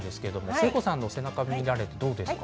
誠子さんの背中を見られてどうですか？